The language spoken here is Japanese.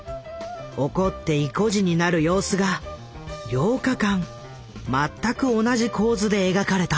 怒っていこじになる様子が８日間全く同じ構図で描かれた。